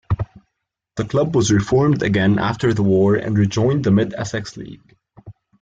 The club was reformed again after the war and rejoined the Mid-Essex League.